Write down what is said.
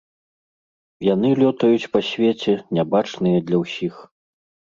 Яны лётаюць па свеце, нябачныя для ўсіх.